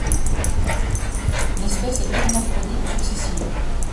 L'espèce est hermaphrodite successive.